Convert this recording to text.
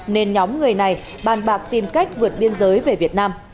nên nhóm người này bàn bạc tìm cách vượt biên giới về việt nam